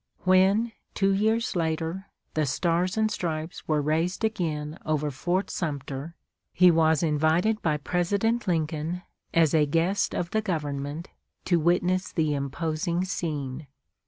When two years later the stars and stripes were raised again over Fort Sumter, he was invited by President Lincoln, as a guest of the government, to witness the imposing scene.